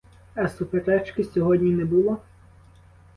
А суперечки сьогодні не було?